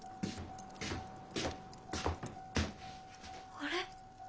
あれ？